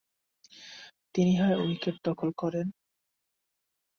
তিনি ছয় উইকেট দখল করেন।